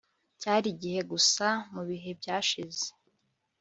cyari igihe gusa mubihe byashize